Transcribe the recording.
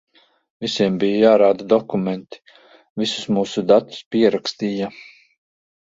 Visiem bija jārāda dokumenti, visus mūsu datus pierakstīja.